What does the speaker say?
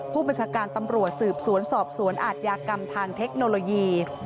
ผู้บัญชาการตำรวจสืบสวนสอบสวนอาทยากรรมทางเทคโนโลยี